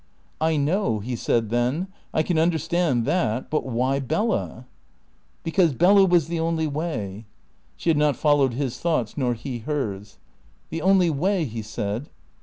"I know," he said then; "I can understand that. But why Bella?" "Because Bella was the only way." She had not followed his thoughts nor he hers. "The only way?" he said.